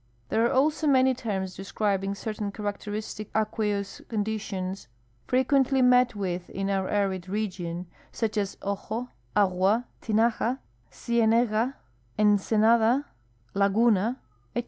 Tliere are also many terms describing certain characteristic acpteous conditions I'requently met wuth in our arid region, such as ojo, agua, tinaja, cieuega, ensenada, laguna, etc.